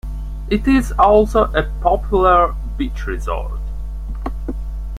It is also a popular beach resort.